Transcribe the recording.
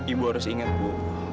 ibu harus ingat bu